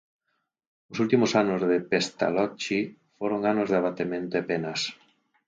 Os últimos anos de Pestalozzi foron anos de abatemento e penas.